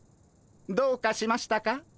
どうかしましたか？